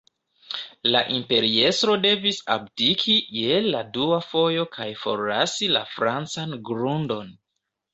La imperiestro devis abdiki je la dua fojo kaj forlasi la francan grundon.